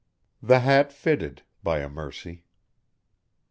The hat fitted, by a mercy.